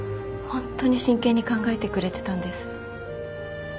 ホントに真剣に考えてくれてたんです。